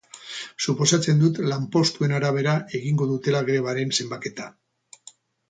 Suposatzen dut lanpostuen arabera egingo dutela grebaren zenbaketa.